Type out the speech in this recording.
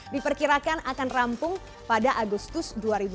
diperkirakan akan rampung pada agustus dua ribu dua puluh